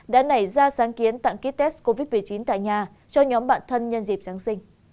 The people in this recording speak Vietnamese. đã nảy ra sáng kiến tặng ký test covid một mươi chín tại nhà cho nhóm bạn thân nhân dịp giáng sinh